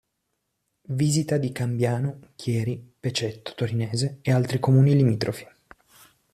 Visita di Cambiano, Chieri, Pecetto Torinese e altri comuni limitrofi.